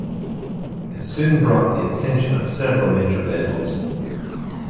It soon brought the attention of several major labels.